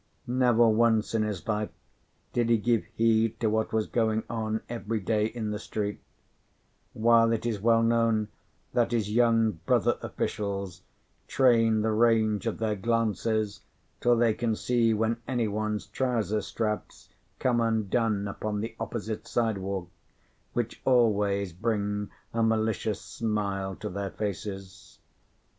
Never once in his life did he give heed to what was going on every day in the street; while it is well known that his young brother officials train the range of their glances till they can see when any one's trouser straps come undone upon the opposite sidewalk, which always brings a malicious smile to their faces.